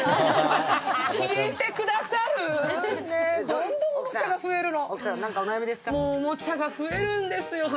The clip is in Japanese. どんどんおもちゃが増えるの。